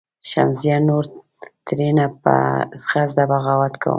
"شمسزیه نور ترېنه په زغرده بغاوت کومه.